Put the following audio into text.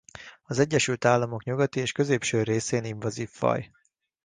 Az Egyesült Államok nyugati és középső részén invazív faj.